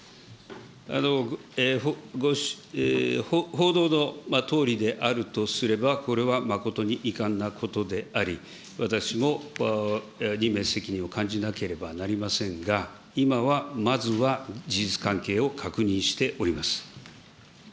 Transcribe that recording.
報道のとおりであるとすれば、これは誠に遺憾なことであり、私も任命責任を感じなければなりませんが、今はまずは事実関係を確認しております。